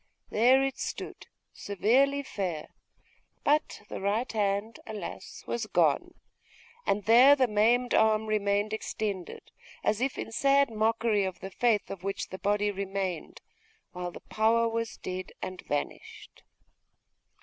There it stood severely fair; but the right hand, alas! was gone; and there the maimed arm remained extended, as if in sad mockery of the faith of which the body remained, while the power was dead and vanished.